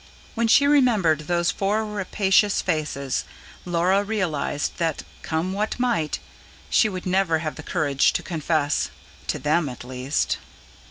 When she remembered those four rapacious faces, Laura realised that, come what might, she would never have the courage to confess. To them, at least.